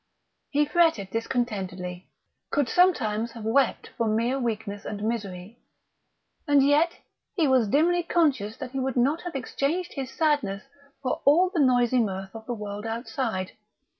He fretted discontentedly, could sometimes have wept for mere weakness and misery; and yet he was dimly conscious that he would not have exchanged his sadness for all the noisy mirth of the world outside.